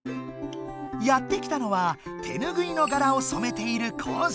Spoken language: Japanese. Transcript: やって来たのは手ぬぐいの柄を染めている工場！